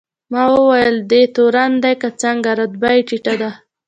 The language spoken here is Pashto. ما وویل: دی تورن دی که څنګه؟ رتبه یې ټیټه ده.